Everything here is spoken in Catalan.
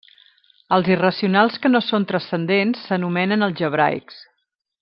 Els irracionals que no són transcendents s'anomenen algebraics.